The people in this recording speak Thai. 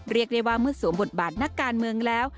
เรียกได้ว่าเมื่อสวมบทบาทนักการเมืองแล้ว